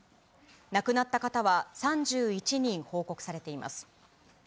亡くなった方は３１人報告されています。